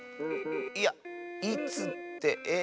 いやいつってええ？